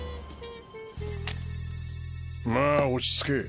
まぁ落ち着け